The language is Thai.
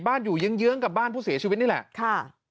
อยู่เยื้องกับบ้านผู้เสียชีวิตนี่แหละค่ะ